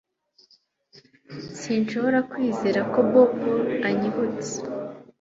Sinshobora kwizera ko Bobo anyibutse